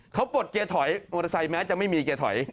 เขากดเกียร์ถอยมอเตอร์ไซค์แม้จะไม่มีเกียร์ถอย